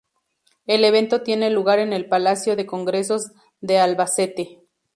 El evento tiene lugar en el Palacio de Congresos de Albacete.